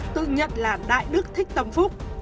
tự nhận là đại đức thích tâm phúc